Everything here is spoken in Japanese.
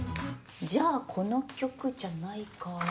じゃあこの曲じゃないか。